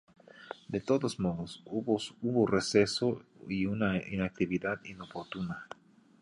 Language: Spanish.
De todos modos hubo un receso y una inactividad inoportuna.